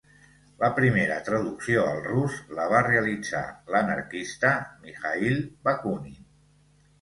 La primera traducció al rus, la va realitzar l'anarquista Mikhaïl Bakunin.